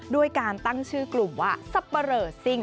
ด้วยการตั้งชื่อกลุ่มว่าสับปะเรอซิ่ง